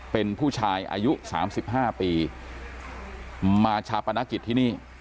เป็นผู้ชายอายุ๓๕ปีมาชาปนกิจที่นี่